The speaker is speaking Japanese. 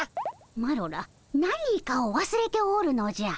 マロら何かをわすれておるのじゃ。